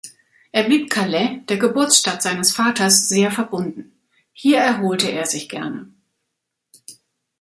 Er blieb Calais, der Geburtsstadt seines Vaters, sehr verbunden; hier erholte er sich gerne.